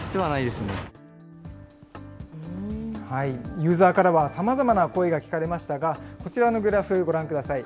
ユーザーからは、さまざまな声が聞かれましたが、こちらのグラフ、ご覧ください。